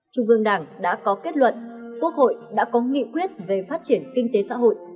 trung ương đảng đã có kết luận quốc hội đã có nghị quyết về phát triển kinh tế xã hội